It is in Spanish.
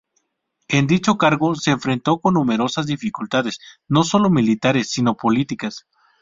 En dicho cargo se enfrentó con numerosas dificultades, no solo militares sino políticas.